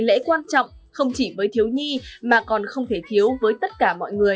lễ quan trọng không chỉ với thiếu nhi mà còn không thể thiếu với tất cả mọi người